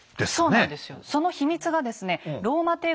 そうなんですよ。